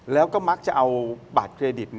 แล้วก็มักจะเอาบัตรเครดิต